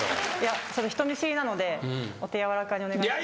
人見知りなのでお手柔らかにお願いします。